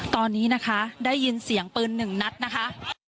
ตอนนี้นะคะได้ยินเสียงปืนหนึ่งนัดนะคะ